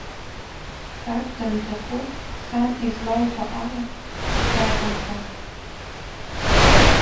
Саб данҭахоз, сан излалҳәо ала, сгаранҵан.